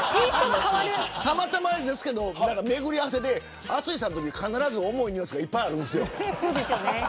たまたまですけど巡り合わせで淳さんのときに重いニュースがいっぱいあるんですよ。